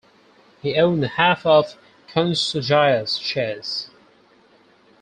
He owned half of Konsojaya's shares.